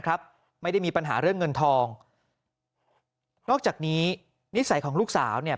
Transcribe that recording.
ครับไม่ได้มีปัญหาเรื่องเงินทองนอกจากนี้นิสัยของลูกสาวเนี่ย